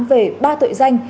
về ba tội danh